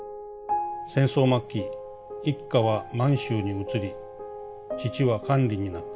戦争末期一家は満州に移り父は官吏になった。